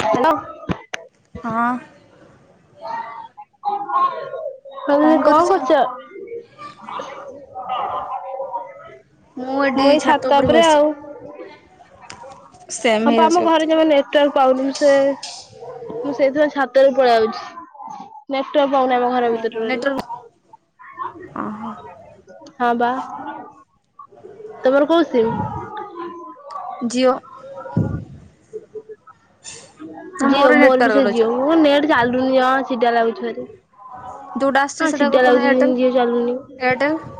Hello. ହଁ। କଣ କରୁଛ? ମୁଁ ମୁଁ ଏଠି ଏଇ ଛାତ ଉପରେ ବସିଛି ଆଉ। ସେମ୍ ହଁ ଆମ ହେଇଯାଉଛି ଘରେ ଜମା ନେଟୱାର୍କ ପାଉନି ମୁଁ ସେ ମୁଁ ସେଇଥିପାଇଁ ଛାତ ଉପରକୁ ପଳେଇ ଆଉଛି। ନେଟୱାର୍କ ପାଉନି ଆମ ଘର ଭିତରେ ଓହୋ ଟୋଟାଲି। ନେଟୱାର୍କ ଓହୋ ହଁ ବା, ତମର କୋଉ ସିମ୍? ଜିଓ। ନା ଜିଓ ନେଟୱାର୍କ ମୋର ବି ସେ ରହୁଛି ଜିଓ ମୋର ନେଟ ଚାଲୁନି ଜମା ଚିଡା ଲାଗୁଛି ଭାରି। ଯୋଉଟା ହଁ ଆସଛି ସେଟା ଚିଡା କରିଦଉନ ଲାଗୁଛି ଯେମିତି ଏୟାରଟେଲ ଜିଓ ଚାଲୁନି ଏୟାରଟେଲ।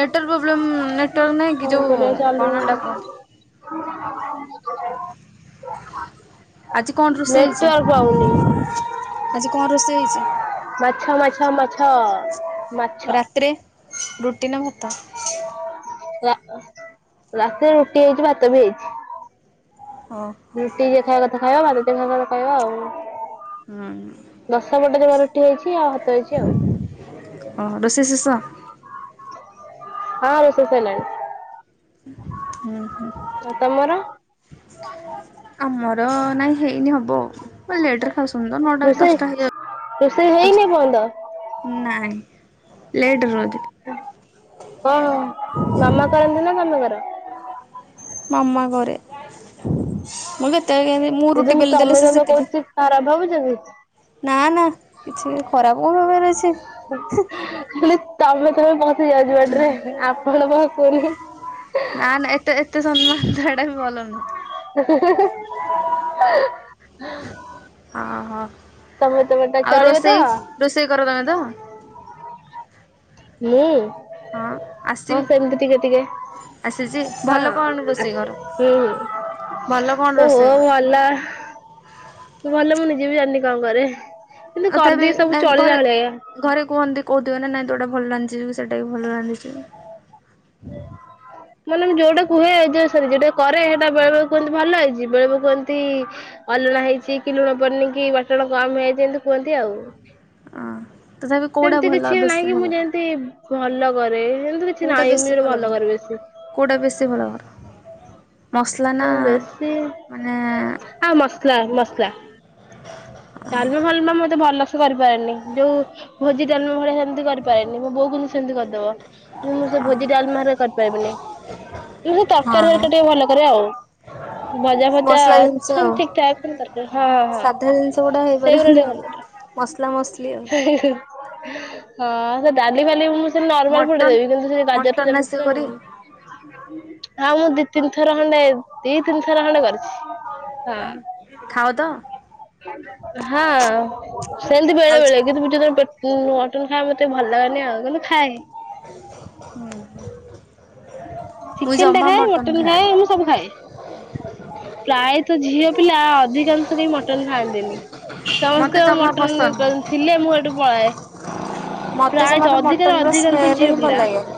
ନେଟୱାର୍କ ପ୍ରୋବ୍ଲେମ୍ ନେଟୱାର୍କ ନାହିଁ କି କଣ ଯଉଁ କରିବା ଚାଲୁନି କଣଟା କୁହନ୍ତି [inaudible] ଆଜି କଣ ରୋଷେଇ ନେଟୱାର୍କ ପାଉନି। ହେଇଛି? ଆଜି କଣ ରୋଷେଇ ହେଇଛି? ମାଛ ମାଛ ମାଛ ମା ରାତିରେ, ରୁଟି ନା ଦ୍ଭା ରା ରାତିରେ ରୁଟି ହେଇଛି ଭାତ ବି ହେଇଛି। ହଁ। ରୁଟି ଯିଏ ଖାଇବା କଥା ଖାଇବ। ଭାତ ଯିଏ ଖାଇବା କଥା ଖାଇବ ଆଉ। ହୁଁ ଦଶ ପଟ ଯମା ରୁଟି ହେଇଛି। ଆଉ ହାତ ଅଇଛି ଆଉ। ଓ ହୋ ରୋଶେଇ ଶେଷ? ହଁ ରୋଷେଇ ସଇଲାଣି। ହୁଁ ହୁଁ। ତମର? ଆମର ନାଇଁ ହେଇନି ହବ ଆଉ। ଲେଟରେ ଖାାଉଛନ୍ତି ତ ନଅଟାରୁ ରୋଷେଇ ଦଶଟା ରୋଷେଇ ହେଇନି ଏପର୍ଯ୍ୟନ୍ତ ହେଇଯାଉଛି। ନାଇଁ, ଲେଟ [unintelligible] କଣ ମାମା କରନ୍ତି ନା ତମେ କର? ମାମା କରେ। ମୁଁ କେତେବେଳେ କେମିତି ରୁଟି ଦିଦି ମୁଁ ବେଲି ଦେଲେ ତମେ ସେ ତମେ ସେକିଦିଏ। କହୁଛି ଖରାପ ଭାବୁଛ କ? ନା ନା କିଛି ଖରାପ କଣ ଭବିବାର ଅଛି। ଖାଲି ତମେ ତମେ ପସିଯାଉଛି ନା ପାଟିରେ। ଆପଣ ପସୁନି। ନା ନା ଏତେ ଏତେ ସମ୍ମାନ ଦେବାଟା ବି ଭଲ ନୁହଁ। [unintelligible] ହଁ ହଁ। ତମେ ତମେ ଟା ଆଉ ଚଳିବ ତ ରୋଷେଇ ରୋଷେଇ କର ତମେ ତ? ମୁଁ? ହଁ ଆସି ହଁ ସେମିତି ଟିକେ ଟିକେ। ଆସିଛି ଭଲ କଣ ହଁ, ରୋଷେଇ କର? ହୁଁ। ଭଲ କଣ ରୋଷେଇ ଓହୋ କର ଭଲ। ଭଲ ମୁଁ ନିଜେ ବି ଜାଣିନି କଣ କରେ? କିନ୍ତୁ ତଥାପି କରିଦିଏ ନା ସବୁ ଘରେ ଚଳିଲା ଭଳିଆ। ଘରେ କୁହନ୍ତି, କହୁଥିବେ ନା ନାଇଁ ତୁ ଏଇଟା ଭଲ ରାନ୍ଧିଛୁ, ସେଟା ବି ଭଲ ରାନ୍ଧିଛୁ। ମାନେ ମୁଁ ଯୋଉଟା ହୁଏ, ଯେ ସରି ମାନେ ମୁଁ ଯୋଉଟା କରେ ସେଇଟା ବେଳେବେଳେ କୁହନ୍ତି ଭଲ ହେଇଛି। ବେଳେବେକୁ କୁହନ୍ତି ଅଲଣା ହେଇଛି, କି ଲୁଣ ପଡ଼ିନି, କି ବାଟଣ କମ ହେଇଯାଇଛି। ଏମିତି କୁହନ୍ତି ଆଉ। ହଁ ତଥାପି କୋଉଟା ସେମିତି ଭଲ କିଛି ବେଶୀ ନାଇଁ କି ଭଲ ମୁଁ କର ଯେମତି ଭଲ କରେ। ଯେମିତି କିଛି ନାଇଁ ମୁଁ ଯୋଟା ଭଲ କରେ ବେଶି। କେଉଁଟା ବେଶୀ ଭଲ କର? ମସଲା ନା ମାନେ ହଁ ମସଲା, ମସଲା। ଡାଲମା ଫାଲମା ମୁଁ ଏତେ ଭଲସେ କରିପାରେନି। ଯୋଉ ଭୋଜି ଡାଲମା ଭଳିଆ ସେମିତି କରିପାରେନି। ମୋ ବୋଉ ସେମିତି କରିଦବ। ମୁଁ ସେ ଭୋଜି ଡାଲମା ହେରିକା କରିପାରିବିନି। ମୁଁ ସେ ତରକାରୀ ହଁ ଘରିକା ଟିକେ ଭଲ କରେ ଆଉ। ଭଜା, ଫଜା ମସଲା ଜିନିଷ ଆଉ ସେମିତି ଠିକ ଠାକ କରି କରିପାରେ। ହଁ ସାଧା ଜିନିଷ ଗୁଡା ହେ ସେଇ ପୁରା ଟିକେ ଭଲ ଆଉ କରେ। ହଁ ସେ ଡାଲି ଫାଲି ମୁଁ ସେ ନର୍ମାଲ ଫୁଟେଇ ମଟନ୍ ଦେବି। ମଟନ୍ କିନ୍ତୁ ଆସେ ସେ କରି [unintelligible] ଆ ମୁଁ ଦି, ତିନିଥର ଖଣ୍ଡେ, ଦି, ତିନିଥର ଖଣ୍ଡେ କରିଛି। ହଁ ଆ ଖାଅ ତ? ହଁ। ସେମତି ବେଳେ ଖାଉଚ ବେଳେ। କିନ୍ତୁ ଯେତେବେଳେ ମୁ ମଟନ୍ ଖାଏ ମତେ ଭଲ ଲାଗେନି ଆଉ। କିନ୍ତୁ ଖାଏ। ହୁଁ [inaudible] ଚିକେନ୍ ଟା ଖାଏ ମଟନ୍ ଖାଏ ମୁ ସବୁ ଖାଏ। ପ୍ରାୟତ ଝିଅ ପିଲା ଅଧିକାଂଶ କେହି ମଟନ୍ ଖାଆନ୍ତିନି। ମତେ ସମସ୍ତେ ଆଉ ଜମା ପସନ୍ଦ ନୁହଁ। ମଟନ୍ ଥିଲେ ମୁଁ ହେଠୁ ପଳାଏ। ମତେ ଜମାରୁ ପ୍ରାୟତଃ ମଟନ ଅଧିକାରୁ ର ଅଧିକାଂଶ ସ୍ମେଲ ଝିଅ ହିଁ ଭଲ ପିଲା ଲାଗେନି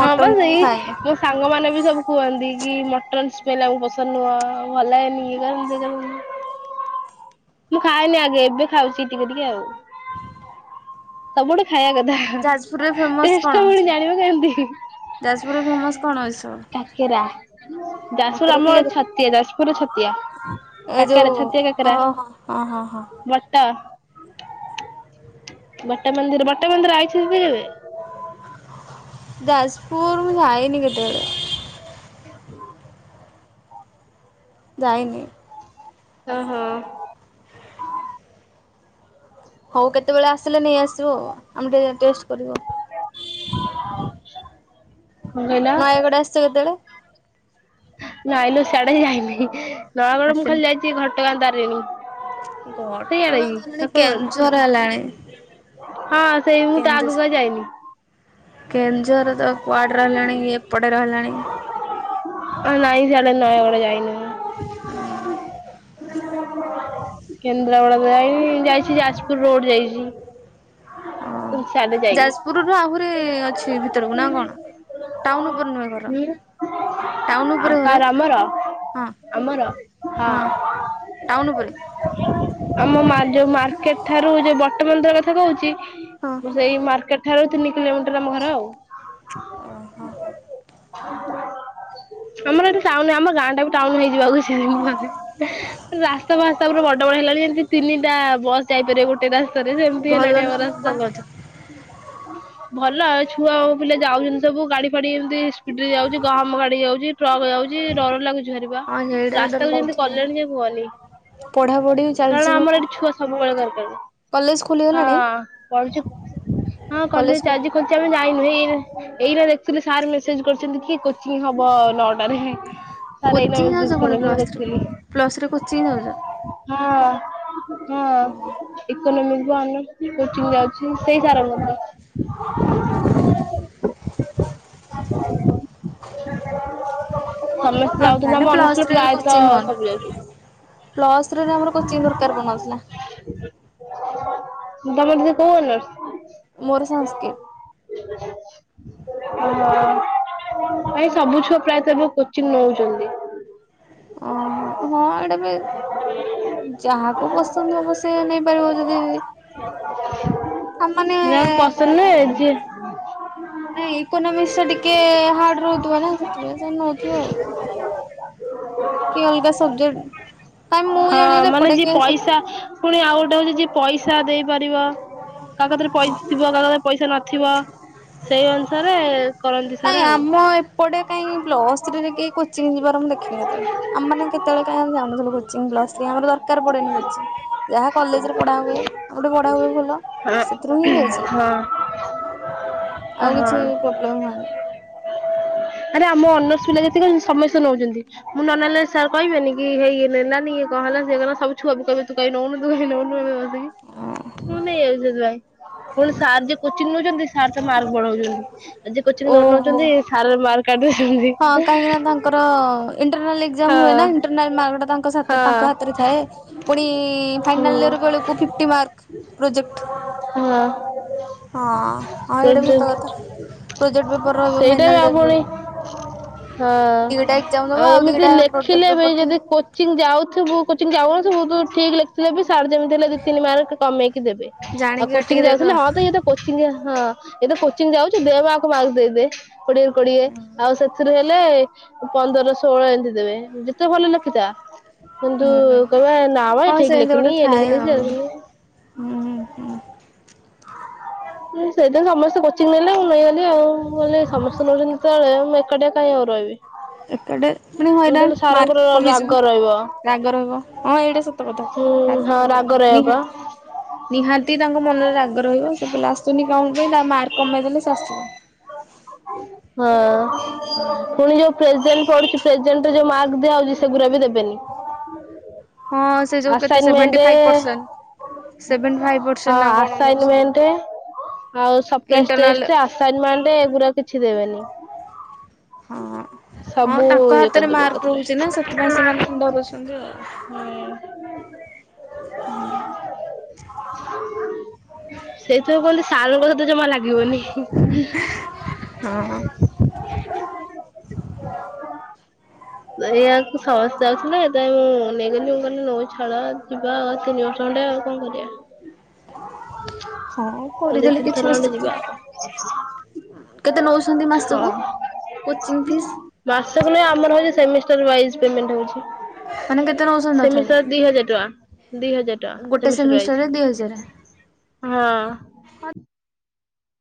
ହଁ ବା ମୁଁ ସେଇ ଖାଏନି। ସାଙ୍ଗମାନେ ବି ସବୁ କୁହନ୍ତି କି ମଟନ୍ ସ୍ମେଲ ଆମୁକୁ ପସନ୍ଦ ନୁହଁ ଭଲ୍ ଲାଗେନି [inaudible] ମୁଁ ଖାଏନି ଆଗେ ଏବେ ଖାଉଛି ଟିକେ ଟିକେ ଆଉ ସବୁଠି ଖାଇଆ କଥା ଯାଜପୁରରେ ଫେମସ ଟେଷ୍ଟ୍ କଣ ଟା ପୁଣି ଅଛି ଜାଣିବା କେମ୍ ତି। ଯାଜପୁରରେ ଫେମସ କଣ ଏସବୁ? କାକେରା ଯାଜ୍ ପୁରୁ କାକରା କି ଆମ କାକରା ଛତିଆ ର। ପୁରୁ ଛତିଆ। ଏ କାକେରା ଯୋଉ ଛତିଆ ହଁ କାକେରା ହଁ ହଁ ହଁ ହଁ। [unintelligible] ବଟା ମନ୍ଦିର ବଟା ମନ୍ଦିର ଆଇଛି ଯଦବେ ଯାଜ୍ ପୁରୁ ମୁ ଯାଇନି କେତେବେଳେ। ଯାଇନି। ହଁ ହଁ। ହଉ କେତେବେଳେ ଆସିଲେ ନେଇଆସିବ ଉ ଆମେ ଟିକିେ ଟେଷ୍ଟ୍ କରିବୁ ଆଉ। କଣ କହିଲ? ନୟାଗଡ଼ ଆସିଛ କେତେବେଳେ? ନାଇଁ ଲୋ ସାଡେ ହିଁ ଯାଇନି ନୟାଗଡ ମୁଁ ଆସିନ ଖାଲି ଯାଇଛି ଘଟଗାଁ ତାରିଣୀ। ଘଟଗାଁ ସେଇଆଡେ କି ନା ତାରୀଣୀ କୋଉ କେନ୍ ଆଡେ ଝର ହେଲାଣି। ହଁ ସେଇ ମୁଁ ତା କେନ୍ଦୁ ଆଗୁକୁ ଆଉ ଯାଇନି। କେନ୍ଦୁଝର ତ କୁଆଡ଼େ ରହିଲାଣି ଇଏ ଏପଟେ ରହିଲାଣି। ନାଇଁ ସାଡେ ନୟାଗଡ଼ ଯାଇନି ମୁଁ। କେନ୍ଦ୍ରାପଡା ଯାଇନି ଯାଇଛି ଯାଜ୍ ପୁର ରୋଡ୍ ଯାଇଚି। ଯାଜ୍ ପୁରରୁ ଆହୁରି ଅଛି ଭିତରକୁ ନା କଣ? ଟାଉନ୍ ଉପରେ ନୂଆ ଘର। ହୁଁ ଟାଉନ୍ ଆଉ ଉପରେ ଘର କାର ଆମର ହଁ ଆମର ହଁ। ଟାଉନ୍ ଉପରେ ଆମ ମା ଯୋଉ ମାର୍କେଟ୍ ଠାରୁ ଯୋଉ ବର୍ତ୍ତମାନଦର [inaudible] କଥା କହୁଛି ହଁ। ସେଇ ମାର୍କେଟ୍ ଠାରୁ ତିନି କିଲୋମିଟର ଆମ ଘର ଆଉ। ଓହୋ [unintelligible] ଆମର ଏଠି ଟାଉନ୍ ଆମର ଗାଁ ଟା ବି ଟାଉନ୍ ହେଇଯିବ ଆଉ କିଛି ଦିନ ପରେ ରାସ୍ତା ଫାସ୍ତା ପୁରା ବ ଆମର ହେଲାଣି ଯେ ତିନିଟା ବସ୍ ଯାଇପାରିବ ଗୋଟେ ରାସ୍ତାରେ ସେମିତି ଭଲ ହେଲାଣି ନା ଆମ ରାସ୍ତା। ଭଲ ଅଛି ହୁଁ [unintelligible] ଭଲ ଛୁଆ ଆଉ ପିଲା ଯାଉଚନ୍ତି ସବୁ ଗାଡି ଫାଡି ଏମିତି ସ୍ପିଡ୍ ରେ ଯାଉଚି ଗହମ ଗାଡି ଯାଉ ଚ଼ି ଟ୍ରକ୍ ଯାଉଚି ଡର ଲାଗୁଛି ଭାରିବା ହଁ ସେଇଟା ଡର ରାସ୍ତାକୁ ଯେମିତି ଲାଗୁଥିବ ଆଉ। କଲେଣି ଯେ କୁହନି। ପଢ଼ାପଢ଼ି ଚାଲିଛି କାରଣ ଭଲ ଆମର ଏଠି ଛୁଆ ସବୁବେଳେ ଦରକାର୍। କଲେଜ ଖୋଲିଗଲାଣି ହଁ ପଢୁଛୁ କଲେଜ ଖୋ କୋଚିଂ ଆମେ ଯାଇନୁ ଏଇ ଏଇନା ଦେଖୁଥିଲି ସାର୍ ମେସେଜ୍ କରିଛନ୍ତି କି କୋଚିଂ ହ। ବ ନଟାରେ। ସଇ କୋଚିଂ ଯାଉଛ ପୁଣି ମୁଁ plus three ଦେଖଥିଲି [inaudible] plus three coaching ଯାଉଛ ହଁ ଓହୋ ହଁ। [unintelligible] ଇକୋନୋମିକ କୋଚିଂ ଯାଉଛି ସେଇ ତାରା ମଧ୍ୟ ଭଲରେ ଅ ଯାଉଚନ୍ତି ମାନେ ଆମ ପ୍ଲସ୍ ଅନୁଷ୍ଟାନ ପ୍ରାୟତଃ ସବୁ ଯାଉଚୁ। ପ୍ଲସ ଥ୍ରୀ ରେ ଆମର କୋଚିଂ ଦରକାର ପନୁଥିଲା। ତମର ଦିଦି କୋଉ ଅନସ? ମୋର ସଂସ୍କୃତ। [unintelligible] ଭାଇ ସବୁ ଛୁଅ ପ୍ରାୟତଃ ଏବେ କୋଚିଂ ନଉଛନ୍ତି। ଓହୋ ହଁ ଏଇଟା ବି ଯାହାକୁ ପସନ୍ଦ ହବ ସେ ନେଇ ପାରିବ ଯଦି [unintelligible] ଆ ମାନେ ଯାହାକୁ ପସନ୍ଦ ନୁହେଁ ଯିଏ ନାଇଁ ଇକୋନୋମିକସ ଟା ଟିକେ ହାର୍ଡ ରହୁଥିବ ନା ସେଥିପାଇଁ ସେ ନଉଥିବ ଆଉ। କି ଅଲଗା ସବଜେକ୍ଟ କାଇ ମୁଁ ହଁ ଜାଣିବାରେ ମାନେ ଏପଟେ ଯିଏ କିଏ ପଇସା ପୁଣି ଆଉ ଗୋଟେ ହଉଛି ଯିଏ ପଇସା ଦେଇପାରିବ କାକତିରେ ହଁ ପଇସା ଥିବ କା ପାଖରେ ପଇସା ନ ଥିବ ସେଇ ଅନୁସାରେ କରନ୍ତି ସରେ ଆଉ। ହଁ ଏପଟେ କାଇହିଁ ପ୍ଲସ୍ ଥ୍ରୀରେ କେହି କୋଚିଂ ଯିବାର ମୁଁ ଦେଖିନି କେତେବେଳେ? ଆମମାନେ କେତେବେଳେ କାଇଁ ଯାଉନଥିଲୁ କୋଚିଂ ପ୍ଲସ ଥ୍ରୀ ଆମର ପଡେନି କୋଚିଂ। ଯାହା କଲେଜରେ ପଢ଼ା ହୁଏ ଆମ ଗଟେ ପଢ଼ା ହୁଏ ଭୁଲ ହଁ ସେଥିରୁ ହିଁ ହଁ ହେଇଯାଏ। [inaudible] ଆଉ ହଁ କିଛି ପ୍ରୋବ୍ଳମ୍ ହୁଏନି। ଆରେ ଆମ ଅନର୍ସ ପିଲା ଯେତିକି ଅଛନ୍ତି ସମସ୍ତେ ନଉଛନ୍ତି। ମୁଁ ନ ନେଲେ ସାର୍ କହିବେନିକି ହେଇ ଇଏ ନେଲାନି ଇଏ କହେଲା ସିଏ କ ହେଲା ସବୁ ଛୁଆବି କହିବେ ତୁ କାଇଁ ନଉନୁ ନଉନୁ। ମୁଁ ନେଇଯାଉଚି ସେଥିପାଇଁ ପୁଣି ସାର୍ ଯିଏ କୋଚିଂ ନୋଉଛନ୍ତି ସାର୍ ତ ମାର୍କ ବଢଉଛନ୍ତି ଆଉ ଯିଏ କୋଚିଂ ନ ଓହୋ। ନୋଉଛନ୍ତି ସାର୍ ମାର୍କ କାଟି ଦଉଛନ୍ତି। ହଁ କାହିଁକି ନା ତାଙ୍କର ଇଣ୍ଟରନାଲ ଏକ୍ସଜାମ ହୁଏ ହଁ ନା ଇଣ୍ଟେରନାଲ ମାର୍କ ତାଙ୍କ ସାଥି ତ ହଁ ତାଙ୍କ ହାତରେ ଥାଏ ପୁଣି ହୁଁ ଫାଇନାଲ୍ ଇୟର ବେଳକୁ ଫିଫ୍ଟି ମାର୍କ ପ୍ରୋଜେକ୍ଟ। ହଁ। ହଁ ଏଇଟା ବି ସତ କଥା ପ୍ରୋଜେକ୍ଟ ପେପର ରହିବ ସେଇଟା ବି ଫାଇନାଲ୍ ଆ ଇୟର ପଣି ବେଳକୁ। ହଁ ଦିଟା ଏକ୍ଜାମ ଦବ ଆଉ ଏମିତି ଦିଟା ପ୍ରୋଜେକ୍ଟ ଲେଖିଲେ ବି ପେପର ଥାଏ। ଯଦି କୋ କୋଚିଂ ଯାଉଥିବୁ କୋଚି ଯାଉନଥିବୁ ଠିକ ଲାଗିଥିଲେ ବି ସାର୍ ଯେମିତି ଦି ତିନି ମାର୍କ କମେଇକି ଦେବେ ଆଉ ଜାଣିକି କାଟିକି କୋଚିଂ ଦେବେ ଯାଉଥିଲେ ଆଉ। ହଁ ତ ଇଏତ କୋଚିଂ ହଁ ଇଏ ତ ଯାଉଛି ଦେମ ଆକୁ ମାର୍କ ଦେଇଦେ କୋଡିଏ ରୁ କୋଡିଏ ଆଉ ସେଥିରେ ହେଲେ ହେଲେ ପନ୍ଦର ଷୋହଳ ଏମିତି ଦେବେ ଯେତେ ଭଲ ଲେଖିଥା। କିନ୍ତୁ ହୁଁ ହୁଁ କହିବେ ନାବା ଇଏ ହଁ ଠିକି ସେମିତି ଲେଖିନି ଗୋଟେ ଇଏ ଥାଏ ଲେଖିନି ସିଏ ଆଉ। ଲେଖିନି। ହୁଁ ହୁଁ। ସେଥିପାଇଁ ସମସ୍ତେ କୋଚିଂ ନେଲେ ମୁଁ ନେଇଗଲି ଆଉ ମୁଁ କହିଲି ସମସ୍ତେ ନଛନ୍ତି ଯେତେବେଳେ ମୁଁ ଏକାଟିଆ କାଇଁ ଆଉ ରହିବି। ଏପଟେ ମାନେ ଏମିତି ହେଲେ ହଇରାଣ ସାରଙ୍କର ମାର୍କ ରାଗ କମିଯିବ। ରହିବ। ରାଗ ରହିବ ହଁ ଏଇଟା ସତ କଥା। ହୁଁ ହଁ ରାଗ ରହିବ ବା। ନିହାତି ତାଙ୍କ ମନରେ ରାଗ ରହିବ ସେ ପିଲା ଆସୁନି କଣ ପାଇଁ ତା ମାର୍କ କମେଇ ଦେଲେ ସେ ଆସିବ। ହଁ ହଁ ପୁଣି ଯୋଉ ପ୍ରେଜେଣ୍ଟ ପଡୁଛି ପ୍ରେଜେଣ୍ଟରେ ଯୋଉ ମାର୍କ ଦିଆହେଉଛି ସେଗୁରାକ ବି ଦେବେନି। ହଁ ସେ ଯୋଉ କେତେ seventy assignment. Five percent seventy five percent ହଁ ନା କଣ ନଉଛନ୍ତି। ଆସାଇନମେଣ୍ଟ ଆଉ ଇଣ୍ଟରନାଲ ସପ୍ରାଇଟେଷ୍ଟ ଆ ଅସାଇନମେଣ୍ଟ ଏଗୁରା କିଛି ଦେବେନି। ହଁ। ସବୁ ହଁ ତାଙ୍କ ହାତରେ ଇଏ ମାର୍କ ରହୁଛି ନା କରିଦେବେ ସେଥିପାଇଁ ସେମାନେ ଏକାଥରେ। ଡରୁଛନ୍ତି ହୁଁ [inaudible] ଆମେ [unintelligible] ସେଇଥିପାଇଁ କୁହନ୍ତି ସାରଙ୍କ ସହିତ ଜମା ଲାଗିବନି। ହଁ [inaudible] ଏଇୟାକୁ ସମସ୍ତେ ଯାଉଥିଲେ, ଏଥିପାଇଁ ମୁଁ ନେଇଗଲି। ମୁଁ କହିଲି [unintelligible] ଯିବା ଆଉ ତିନି ବର୍ଷ ଖଣ୍ଡେ ଆଉ କଣ କରିବା। ହଁ ଦି କରିଦେଲେ ତିନି ଥର କିଛି ଖଣ୍ଡେ ଅସୁବିଧା ଯିବା ନାହିଁ। କେତେ ନଉଛନ୍ତି ଆଉ ମାସକୁ ହଁ। Coaching fees? ମାସକୁ ନୁହେଁ ଆମର ହଉଚି ସେମିଷ୍ଟାର ୱାଇଜ୍ ପେମେଣ୍ଟ ମାନେ କେତେ ହୋଉଛି। ନଉଛନ୍ତି ତଥାପି? ସେମିଷ୍ଟାର ଦି ହଜାର ଟଙ୍କା ଦି ହଜାର। ଗୋଟେ ସେମିଷ୍ଟାର ସେମିଷ୍ଟାରରେ ଦି ହଜାର ୱାଇଜି ହଁ। [unintelligible]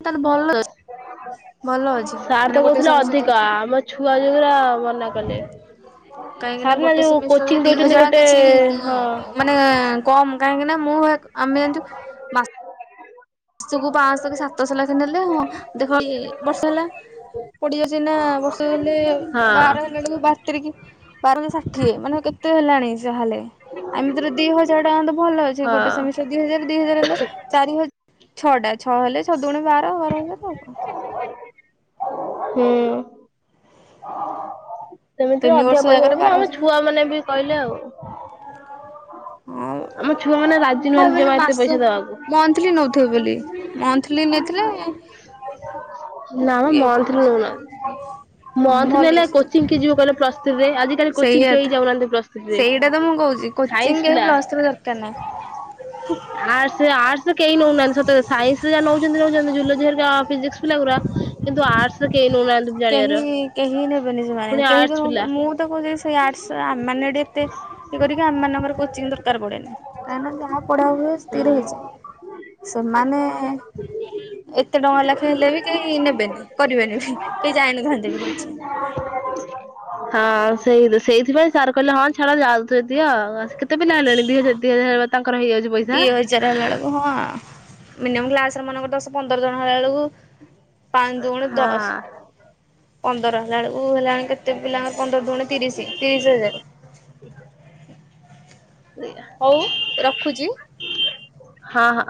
ତତେ ଭଲ [unintelligible] ଭଲ ଅଛି ସାର୍ ମାନେ ତ ଗୋଟେ କହୁଥିଲେ ସେମିଷ୍ଟାର ଦି ଅଧିକା, ଆମ ଛୁଆ ଯୋଉ ଗୁରା ମନା କଲେ। କାହିଁକି ନା ସାର୍ ଗୋଟେ ଯୋଉ ସେମିଷ୍ଟାର କୋଚିଂ ରେ ଦି ଦଉଛନ୍ତି ହଜାର ଗୋଟେ କିଛି ହଁ ମାନେ କମ୍ କାହିଁକି ନା ମୁଁ ଆମେ ଜାଣିଚୁ ମାସକୁ ପାଶହ କି ସାତଶହ ଲେଖେ ନେଲେ ହଁ ଦେଖ ଇ ବର୍ଷେ ହେଲା। ପଡିଯାଉଚି ଏଇନା ବର୍ଷ ହେଲେ ହଁ ବାର ହେଲେ ହେଲା ବେଳକୁ ବାର ତିରିକି ବାରକେ ଷାଠିଏ। ମାନ କେତେ ହେଲାଣି ଯା ହେଲେ। ଆ ଏମିତିରେ ଦି ହଜାର ଟଙ୍କା ତ ଭଲ ଅଛି। ହଁ ଗୋଟେ ସେମିଷ୍ଟାର ଦି ହଜାର, ଦି ହଜାର ହେଲେ ଚାରି ହଜ୍ ଛଅଟା ଛଅ ହେଲେ ଛ ଦୁଣେ ବାର ବାର ହଜାର ଆଉ କଣ। ହୁଁ। ସେମିତିରେ ତିନି ଅଧିକା ବର୍ଷ ପଇସା ଜାଗାରେ ନଥିଲା ବାର ଆମ ହଜାର। ଛୁଆ ମାନେ ବି କହିଲେ ଆଉ। ହଁ ଆମ ଛୁଆମାନେ ମୁଁ ରାଜି ନୁହନ୍ତି ଭାବିଲି ଯମା ଏତେ ମାସ ପଇସା ଦେବାକୁ। ମନ୍ଥଲି ନଉଥିବେ ବୋଲି। ମନ୍ଥଲି ନେଇଥିଲେ ନା ମ ହେଇଥାନ୍ତା। ମନ୍ଥଲି ନଉନାହାନ୍ତି। ମନ୍ଥଲି ଭଲ ନେଲେ ଅଛି ତ କୋଚିଂ କିଏ ଯିବ କହିଲ ପ୍ଲସ୍ ଥ୍ରି ରେ। ଆଜି କାଲି କୋଚିଂ ସେଇଆ କେହି ତ ଯାଉନାହାନ୍ତି ପ୍ଲସ୍ ଥ୍ରି ରେ। ସେଇଟା ତ ମୁଁ କହୁଛି କୋଚିଂ ସାଇନ୍ସ କେହି ପିଲା ପ୍ଲସ୍ ଥ୍ରୀ ଦରକାର ନାହିଁ। ଆର୍ଟ୍ସ ଆର୍ଟ୍ସ ରେ କେହି ନଉନାହାନ୍ତି ସତରେ। ସାଇନ୍ସ ରେ ଯାହା ନଉଛନ୍ତି ନଉଛନ୍ତି ଜୁଲୋଜି ହେରିକା ଫିଜିକ୍ସ ପିଲା ଗୁରା କିନ୍ତୁ ଆର୍ଟସ ରେ କେହି ନଉନାହାଁନ୍ତି। କେହି କେହି ନେବେନି ସେମାନେ। କେହି ତ ଆର୍ଟସ ପିଲା। ମୁଁ ତ କହୁଚି ସେଇ ଆର୍ଟ୍ସ ଆମେ ମାନେ ଏଠି ଏତେ ସେ କରିକି ଆମ ମାନଙ୍କର କୋଚିଂ ଦରକାର ପଡେନି। କାହିଁକି ନା ଯାହା ପଢା ହୁଏ ସେତିକିରେ ହୁଁ ହେଇଯାଏ। ସେମାନେ ଏତେ ଟଙ୍କା ଲେଖା ହେଲେ ବି କେହି ନେବେନି କରିବେନି ବି। କେହି ଯାଇନଥାନ୍ତେ ବି କୋଚିଂ। ହଁ ସେଇ ସେଇଥିପାଇଁ ସାର୍ କହିଲେ ହଁ ଛାଡ ଯାଉ। ଦିଅ, କେତେ ପିଲା ହେଲେଣି ଦି ହଜାର ଦି ହଜାର ତାଙ୍କର ହେଇଯାଉଚି ଦି ହଜାର ହେଲା ବେଳକୁ [unintelligible] ମିନିମମ୍ କ୍ଲାସ ରେ ମନେକର ଦଶ ପନ୍ଦର ଜଣ ହେଲା ବେଳକୁ ପାଞ୍ଚ ଦୁ ଗୁଣେ ହଁ ଦଶ୍। ପନ୍ଦର ହେଲା ବେଳକୁ ହେଲାଣି କେତେ ପିଲାଙ୍କର ପନ୍ଦର ଦୁ ଗୁଣେ ତିରିଶିି ତିରିଶିି ହଜାରେ। ସେଇଆ। ହଉ ରଖୁଚି। ହଁ ହଁ।